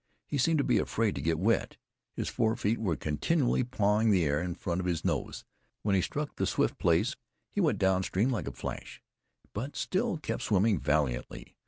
He seemed to be afraid to get wet. His forefeet were continually pawing the air in front of his nose. When he struck the swift place, he went downstream like a flash, but still kept swimming valiantly.